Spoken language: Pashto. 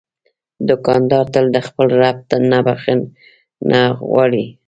دوکاندار تل د خپل رب نه بخښنه غواړي.